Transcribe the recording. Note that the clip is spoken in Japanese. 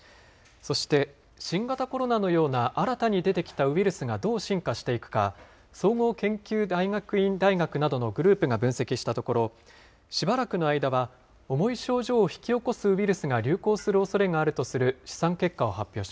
そして新型コロナのような新たに出てきたウイルスがどう進化していくか、総合研究大学院大学などのグループが分析したところ、しばらくの間は、重い症状を引き起こすウイルスが流行するおそれがあるとする試算